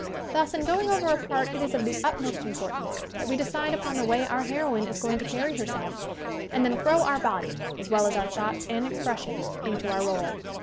Thus in going over a part it is of the utmost importance that we decide upon the way our heroine is going to carry herself and then throw our body, as well as our thoughts and expression, into our role.